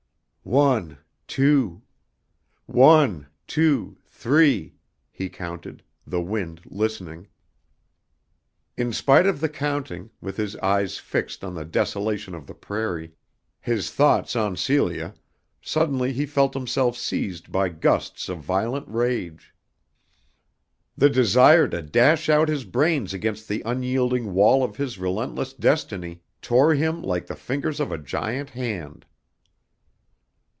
"One, two. One, two, three," he counted, the wind listening. In spite of the counting, with his eyes fixed on the desolation of the prairie, his thoughts on Celia, suddenly he felt himself seized by gusts of violent rage. The desire to dash out his brains against the unyielding wall of his relentless destiny tore him like the fingers of a giant hand.